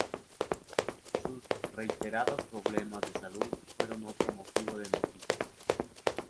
Sus reiterados problemas de salud fueron otro motivo de noticias.